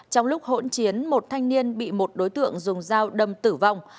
trong lúc hỗn chiến một thanh niên bị một đối tượng dùng dao đâm tử vong